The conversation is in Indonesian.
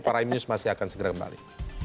para imus masih akan segera kembali